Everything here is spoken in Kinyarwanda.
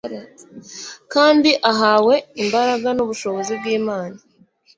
kandi ahawe imbaraga nubushobozi bwImana